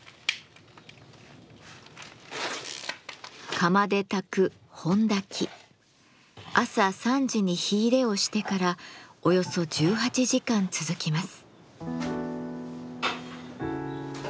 釜で焚く朝３時に火入れをしてからおよそ１８時間続きます。